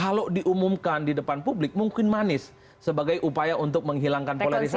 kalau diumumkan di depan publik mungkin manis sebagai upaya untuk menghilangkan polarisasi